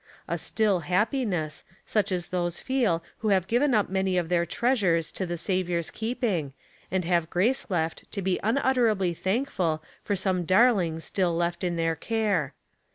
A still happiness, such as those feel who have given up many of their treasures to the Saviour's keeping, and have grace left to be unutterably thankful for seme darling still left in their care.